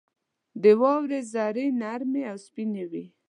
• د واورې ذرې نرمې او سپینې وي.